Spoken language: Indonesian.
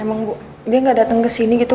emang dia gak datang ke sini gitu